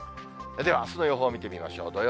では、あすの予報を見てみましょう。